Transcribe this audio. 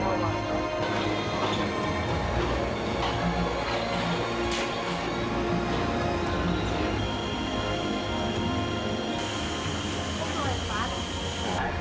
ก็ยังมีปัญหาราคาเข้าเปลือกก็ยังลดต่ำลง